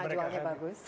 pernah jualnya bagus